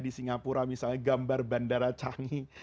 di singapura misalnya gambar bandara canggih